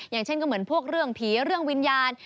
อย่างเช่นก็เหมือนพวกเรื่องผีเรื่องวิญญาณ